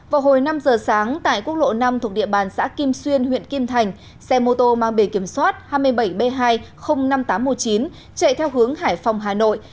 vào hồi năm giờ sáng tại quốc lộ năm thuộc địa bàn xã kim xuyên huyện kim thành xe mô tô mang bề kiểm soát hai mươi bảy b hai trăm linh năm nghìn tám trăm một mươi chín chạy theo hướng hải phòng hà nội